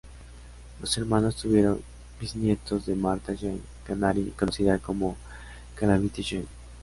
Los hermanos tuvieron bisnietos de Martha Jane Canary, conocida como Calamity Jane.